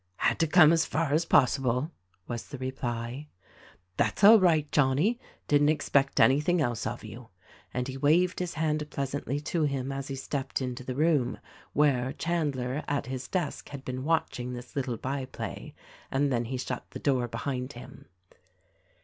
"Had to come as far as possible," was the reply. "That's all right, Johnnie ; didn't expect anything else of you," and he waved his hand pleasantly to him as he stepped into the room — where Chandler at his desk had been watch ing this little by play — and then he shut the door behind him.